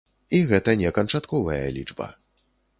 І гэта не канчатковая лічба.